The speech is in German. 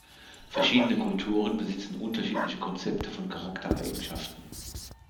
Verschiedene Kulturen besitzen unterschiedliche Konzepte von Charaktereigenschaften.